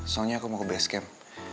soalnya aku mau ke base care